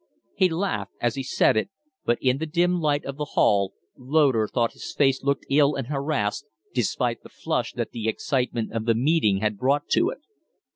He laughed as he said it, but in the dim light of the hall Loder thought his face looked ill and harassed despite the flush that the excitement of the meeting had brought to it.